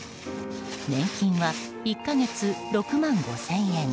年金は１か月、６万５０００円。